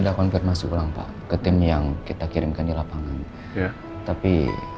pak tolong ya bawa mbak mbak ini ke tempat ini